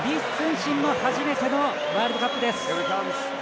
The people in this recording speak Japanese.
初めてのワールドカップです。